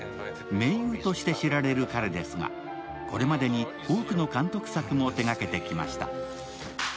名優として知られる彼ですがこれまでに多くの監督作も手がけてきました。